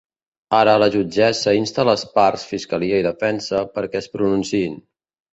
Ara, la jutgessa insta les parts –fiscalia i defensa- perquè es pronunciïn.